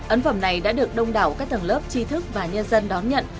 ấn phẩm này đã được đông đảo các tầng lớp chi thức và nhân dân đón nhận